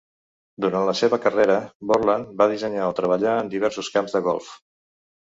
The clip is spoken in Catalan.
Durant la seva carrera, Borland va dissenyar o treballar en diversos camps de golf.